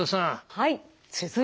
はい。